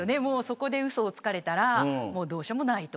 そこでうそをつかれたらどうしようもない。